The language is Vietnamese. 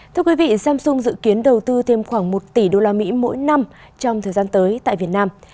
thưa quý vị samsung dự kiến đầu tư thêm khoảng một tỷ usd mỗi năm trong thời gian tới tại việt nam